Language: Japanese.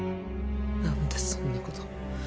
何でそんなこと